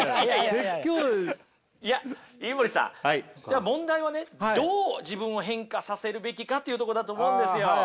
いや飯森さん問題はねどう自分を変化させるべきかというとこなんだと思うんですよ。